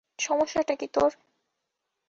সমস্যাটা কী তোর?